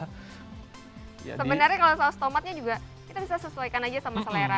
sebenarnya kalau saus tomatnya juga kita bisa sesuaikan aja sama selera